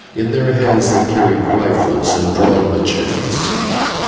In their hands they carried rifles and drawn /machetes